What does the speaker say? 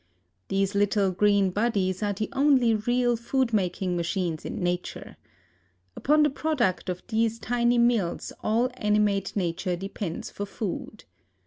These little green bodies are the only real food making machines in nature. Upon the product of these tiny mills all animate nature depends for food.